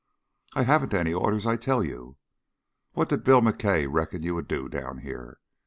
"I haven't any orders, I tell you." "What did Bill McKay reckon you would do down here?"